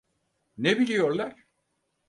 Ne biliyorlar?